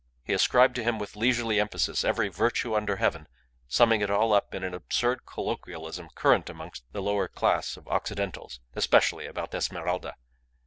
He ascribed to him with leisurely emphasis every virtue under heaven, summing it all up in an absurd colloquialism current amongst the lower class of Occidentals (especially about Esmeralda).